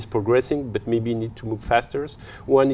tôi thấy hai lý do quan trọng